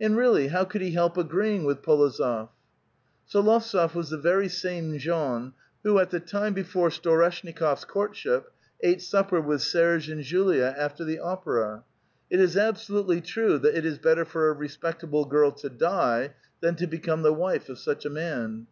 And really how could he help agreeing with P61ozof ? S6lovtsof was the very same Jean who, at the time be fore Storeshnikof's courtship, ate supper with Serge and Julia after the opera. It is absolutely true that it is better for a respectable girl to die than to become the wife of such a man.